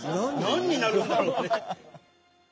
何になるんだろうね。